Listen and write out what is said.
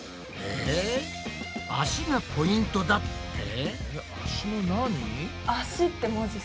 え脚がポイントだって？